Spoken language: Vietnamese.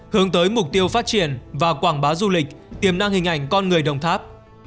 hướng tới mục tiêu phát triển và quảng bá du lịch tiềm năng hình ảnh con người đồng tháp